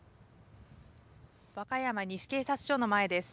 和歌山西警察署の前です。